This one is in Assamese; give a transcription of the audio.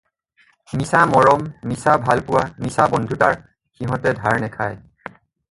মিছা মৰম, মিছা ভালপোৱা, মিছা বন্ধুতাৰ সিহঁতে ধাৰ নেখায়।